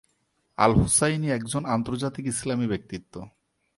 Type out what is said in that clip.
আল-হুসাইনী একজন আন্তর্জাতিক ইসলামী ব্যক্তিত্ব।